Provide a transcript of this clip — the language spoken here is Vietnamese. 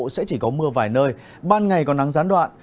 sẽ chỉ có mưa vài nơi ban ngày có nắng gián đoạn